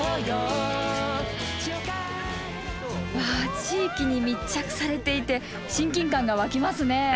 わあ地域に密着されていて親近感が湧きますね。